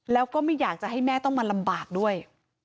แล้วก็ไม่อยากจะให้แม่ต้องมาลำบากด้วย